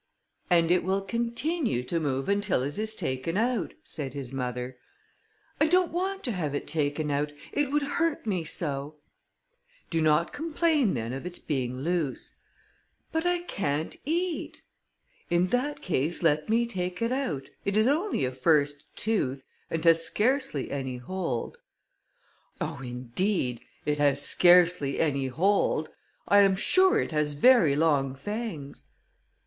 "And it will continue to move until it is taken out," said his mother. "I don't want to have it taken out, it would hurt me so." "Do not complain then of its being loose." "But I can't eat." "In that case let me take it out, it is only a first tooth, and has scarcely any hold." "Oh! indeed! It has scarcely any hold! I am sure it has very long fangs."